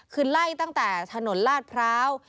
คือไล่ตั้งแต่ถนนลาดพร้าว